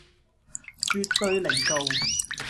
絕對零度